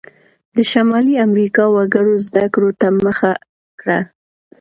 د شمالي امریکا وګړو زده کړو ته مخه کړه.